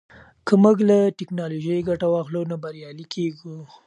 که موږ له ټیکنالوژۍ ګټه واخلو نو بریالي کیږو.